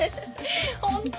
本当！？